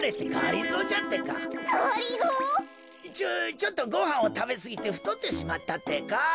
ちょっとごはんをたべすぎてふとってしまったってか。